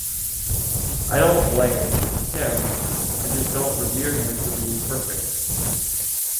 I don't blame, him, I just don't revere him for being perfect